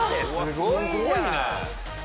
すごいね。